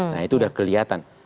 nah itu sudah kelihatan